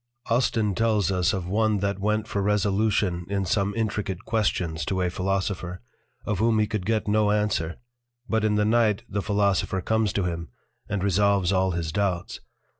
Austin tells us of one that went for resolution in some intricate Questions to a Philosopher, of whom he could get no Answer; but in the Night the Philosopher comes to him, and resolves all his Doubts.